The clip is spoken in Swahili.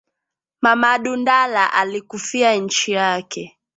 Mamadu Ndala alikufia inchi yake